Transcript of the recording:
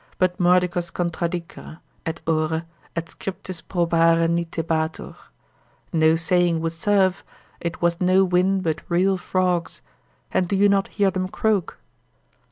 but mordicus contradicere, et ore, et scriptis probare nitebatur: no saying would serve, it was no wind, but real frogs: and do you not hear them croak?